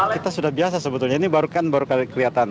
kita sudah biasa sebetulnya ini baru kan kelihatan